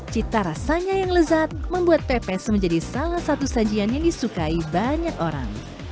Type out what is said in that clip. cita rasanya yang lezat membuat pepes menjadi salah satu sajian yang disukai banyak orang